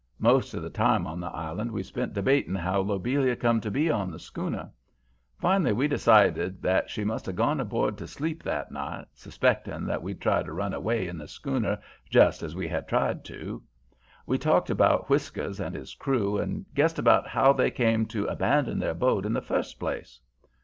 Most of the time on the island we spent debating how Lobelia come to be on the schooner. Finally we decided that she must have gone aboard to sleep that night, suspecting that we'd try to run away in the schooner just as we had tried to. We talked about Whiskers and his crew and guessed about how they came to abandon their boat in the first place.